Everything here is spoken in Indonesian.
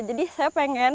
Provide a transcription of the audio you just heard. jadi saya pengen